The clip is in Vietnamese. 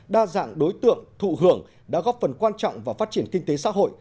đa dạng đối tượng thụ hưởng đã góp phần quan trọng vào phát triển kinh tế xã hội